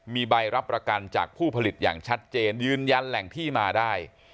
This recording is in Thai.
มีใบรับประกันจากผู้ผลิตอย่างชัดเจนยืนยันแหล่งที่มาได้